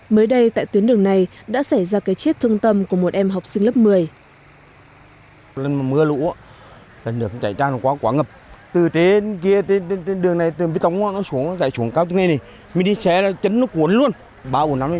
mới đây tại tuyến đường này đã xảy ra cái chết thương tâm của một em học sinh lớp một mươi